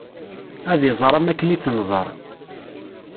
Ad iẓer am akken i tt-nẓer.